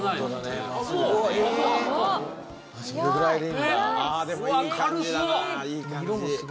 いい感じ。